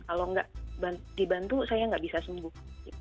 kalau nggak dibantu saya nggak bisa sembuh